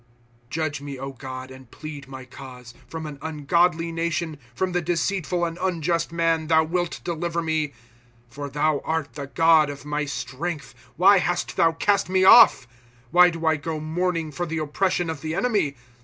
' Judge me, God, and plead my cause ; From an ungodly nation, From the deceitful and unjust man, thou wilt deliver me. ^ Tor thou art the God of my strength ; Why hast thou cast me off? Why do I go mourning for the oppression of the enemy